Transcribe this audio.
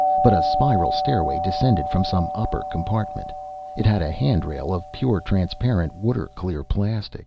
But a spiral stairway descended from some upper compartment. It had a handrail of pure, transparent, water clear plastic.